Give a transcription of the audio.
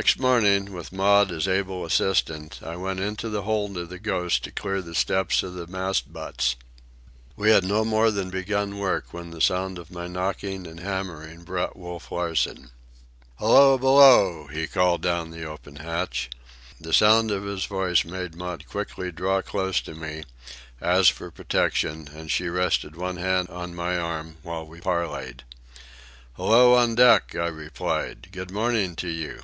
Next morning, with Maud as able assistant, I went into the hold of the Ghost to clear the steps of the mast butts. We had no more than begun work when the sound of my knocking and hammering brought Wolf Larsen. "Hello below!" he cried down the open hatch. The sound of his voice made Maud quickly draw close to me, as for protection, and she rested one hand on my arm while we parleyed. "Hello on deck," I replied. "Good morning to you."